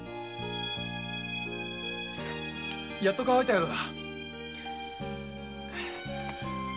やっと乾いたようだ。